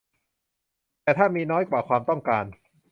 แต่ถ้ามีน้อยกว่าความต้องการ